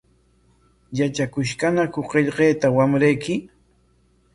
¿Yatrakushqañaku qillqayta wamrayki?